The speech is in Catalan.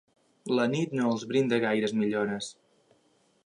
La nit no els brinda gaires millores.